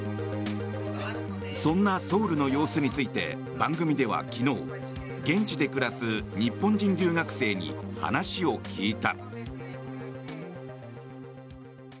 そんなソウルの様子について番組では昨日現地で暮らす日本人留学生に話を聞いた。